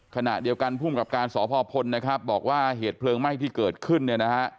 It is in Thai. ขณะเดียวกันภูมิกับการสพพลนะครับบอกว่าเหตุเพลิงไหม้ที่เกิดขึ้นเนี่ยนะฮะ